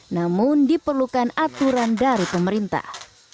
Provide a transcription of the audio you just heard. namun diperlukan aturan dari pemerintah